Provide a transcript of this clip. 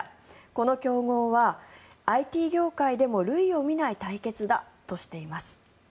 この競合はＩＴ業界でも類を見ない対決だとしています。